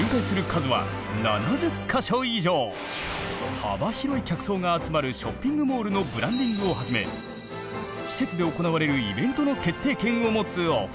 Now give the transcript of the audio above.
幅広い客層が集まるショッピングモールのブランディングをはじめ施設で行われるイベントの決定権を持つお二人！